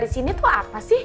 di sini tuh apa sih